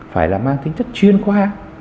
phải mang tính chất chuyên khoa